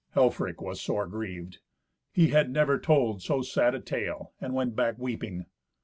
Helfrich was sore grieved. He had never told so sad a tale, and went back weeping.